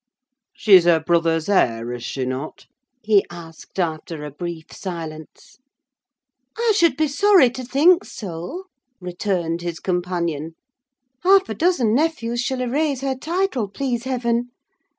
"She's her brother's heir, is she not?" he asked, after a brief silence. "I should be sorry to think so," returned his companion. "Half a dozen nephews shall erase her title, please heaven!